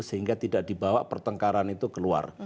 sehingga tidak dibawa pertengkaran itu keluar